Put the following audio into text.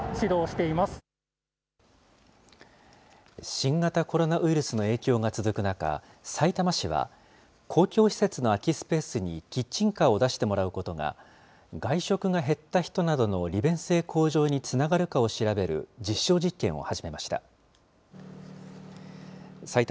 新型コロナウイルスの影響が続く中、さいたま市は、公共施設の空きスペースにキッチンカーを出してもらうことが、外食が減った人などの利便性向上につながるかを調べる実証実験を始めました。